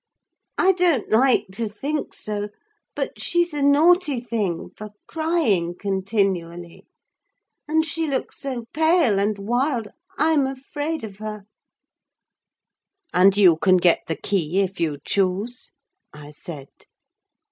I don't like to think so; but she's a naughty thing for crying continually; and she looks so pale and wild, I'm afraid of her." "And you can get the key if you choose?" I said.